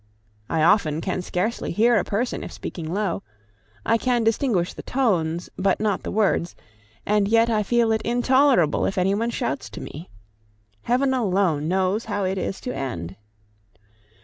I often can scarcely hear a person if speaking low; I can distinguish the tones, but not the words, and yet I feel it intolerable if any one shouts to me. Heaven alone knows how it is to end!